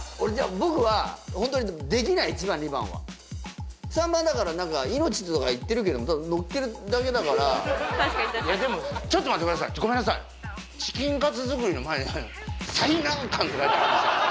僕はホントにできない１番２番は３番はだから命とかいってるけどのっけるだけだから確かに確かにでもちょっと待ってくださいごめんなさい「チキンカツ作り」の前に「最難関」って書いてあるんですよ